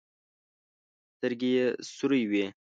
سترګې يې سورې وې.